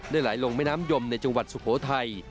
ไหลลงแม่น้ำยมในจังหวัดสุโขทัย